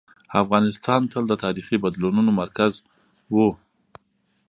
افغانستان تل د تاریخي بدلونونو مرکز و.